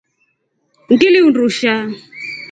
Ngili undusha.